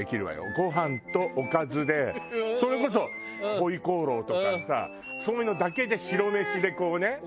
ご飯とおかずでそれこそホイコーローとかさそういうのだけで白飯でこうね食べたり。